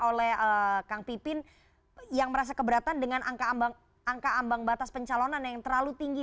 oleh kang pipin yang merasa keberatan dengan angka ambang batas pencalonan yang terlalu tinggi